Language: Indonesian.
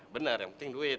bener yang penting duit